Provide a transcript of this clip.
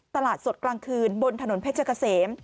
ตลาดสดกลางคืนบนถนนเพชรเกษม